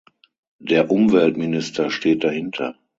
Der Umweltminister steht dahinter.